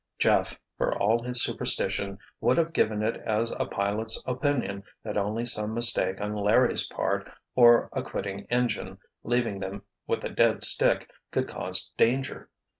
Jeff, for all his superstition, would have given it as a pilot's opinion that only some mistake on Larry's part, or a quitting engine, leaving them with a dead stick, could cause danger.